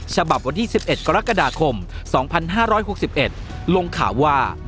ฉบับวันที่๑๑กรกฎาคม๒๕๖๑ลงข่าวว่า